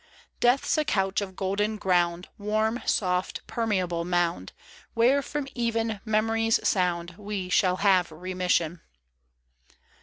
Death's a couch of golden ground. Warm, soft, permeable mound, Where from even memory's sound We shall have remission.